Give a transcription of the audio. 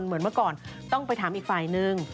เหมือนเมื่อก่อนต้องไปถามอีกฝ่ายนึง